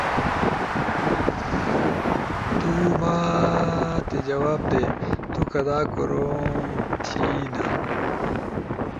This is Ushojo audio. تو ما تھی جواب دے تو کدا کوروم تھین